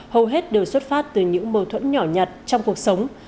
hầu hết đều xuất phát từ những mâu thuẫn nhỏ nhặt trong cuộc sống